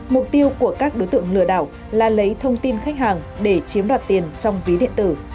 mục tiêu của các đối tượng lừa đảo là lấy thông tin khách hàng để chiếm đoạt tiền trong ví điện tử